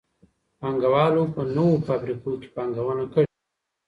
پانګوالو په نوو فابريکو کي پانګونه کړي ده.